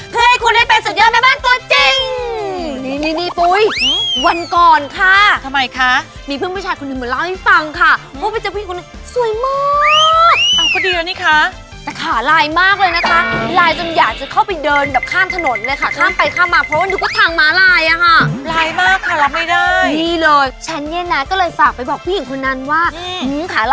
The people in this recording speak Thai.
เพื่อให้คุณได้เป็นสุดยอดแม่บ้านตัวจริง